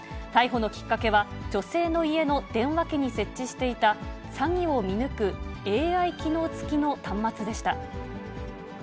逮捕のきっかけは、女性の家の電話機に設置していた、詐欺を見抜くＡＩ機能付きの端末でした。